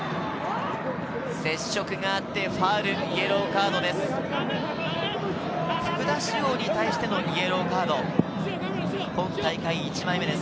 接触があってファウル、イエローカードです。